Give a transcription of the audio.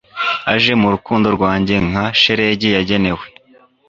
aje mu rukundo rwanjye nka shelegi yagenewe